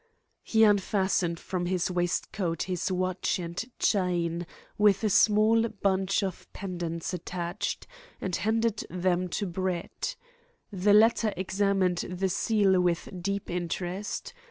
He unfastened from his waistcoat his watch and chain, with a small bunch of pendants attached, and handed them to Brett. The latter examined the seal with deep interest.